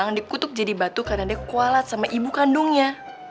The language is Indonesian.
jangan dikutuk jadi batu karena dia kualat sama ibu kandungnya